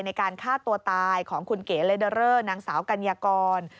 ในการฆ่าตัวตายของคุณเก๋เลเดอเรอร์นางสาวกัญญากร